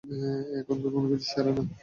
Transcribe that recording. এখানকার কোনোকিছুই সেরা না।